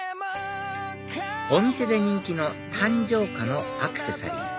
お店で人気の誕生花のアクセサリー